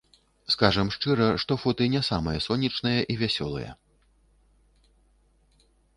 Скажам шчыра, што фоты не самыя сонечныя і вясёлыя.